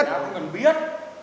tao không biết